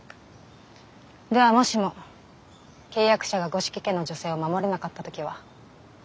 ではもしも契約者が五色家の女性を守れなかった時は？